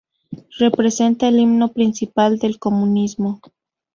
Representa el himno principal del comunismo.